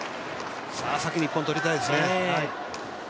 先に１本取りたいですね。